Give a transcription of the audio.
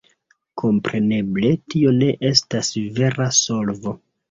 Kompreneble tio ne estas vera solvo.